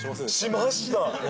しました。